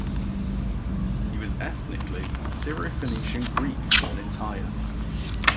He was ethnically a Syro-Phoenician Greek born in Tyre.